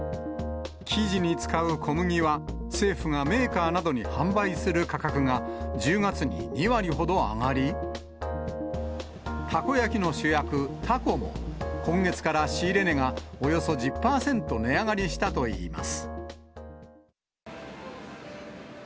生地に使う小麦は、政府がメーカーなどに販売する価格が１０月に２割ほど上がり、たこ焼きの主役、タコも、今月から仕入れ値がおよそ１０％値上がりしたといいます。